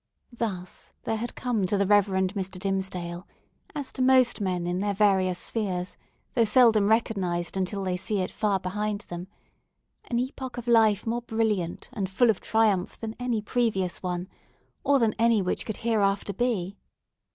Thus, there had come to the Reverend Mr. Dimmesdale—as to most men, in their various spheres, though seldom recognised until they see it far behind them—an epoch of life more brilliant and full of triumph than any previous one, or than any which could hereafter be.